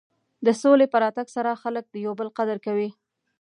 د سولې په راتګ سره خلک د یو بل قدر کوي.